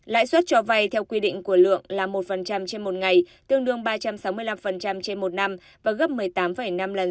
lãi suất cho vay theo quy định của lượng là một trên một ngày tương đương ba trăm sáu mươi năm trên một năm và gấp một mươi tám năm lần